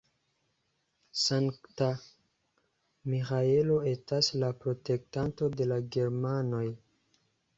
Sankta Miĥaelo estas la protektanto de la germanoj.